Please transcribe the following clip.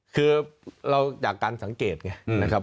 คือเราจากการสังเกตไงนะครับ